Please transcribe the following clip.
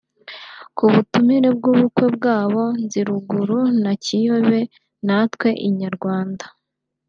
Ku butumire bw’ubukwe bwabo (Nziruguru na Kiyobe) natwe Inyarwanda